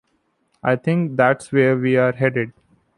I think that's where we're headed.